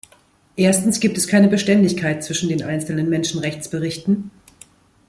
Erstens gibt es keine Beständigkeit zwischen den einzelnen Menschenrechtsberichten.